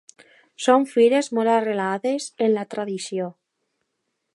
Són fires molt arrelades en la tradició.